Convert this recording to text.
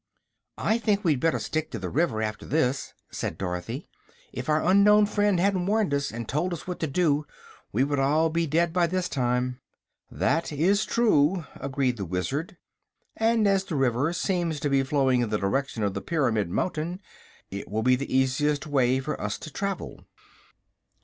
"I think we'd better stick to the river, after this," said Dorothy. "If our unknown friend hadn't warned us, and told us what to do, we would all be dead by this time." "That is true," agreed the Wizard, "and as the river seems to be flowing in the direction of the Pyramid Mountain it will be the easiest way for us to travel."